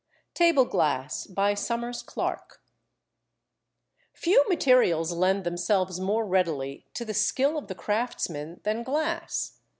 TABLE GLASS Few materials lend themselves more readily to the skill of the craftsman than glass.